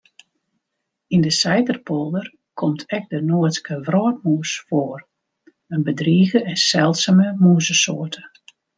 Yn de Saiterpolder komt ek de Noardske wrotmûs foar, in bedrige en seldsume mûzesoarte.